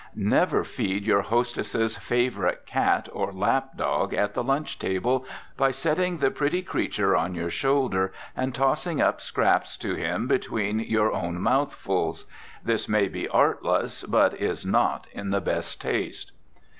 Never feed your hostess's favorite cat or lap dog at the lunch table, by setting the pretty creature on your shoulder, and tossing up scraps to him between your own mouthfuls. This may be artless, but is not in the best taste.